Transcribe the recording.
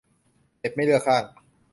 เน็ตไม่เลือกข้าง